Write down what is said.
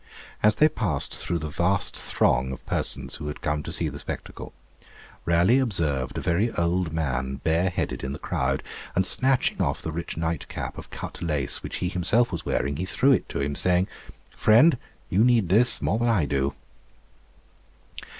As they passed through the vast throng of persons who had come to see the spectacle, Raleigh observed a very old man bareheaded in the crowd, and snatching off the rich night cap of cut lace which he himself was wearing, he threw it to him, saying, 'Friend, you need this more than I do.'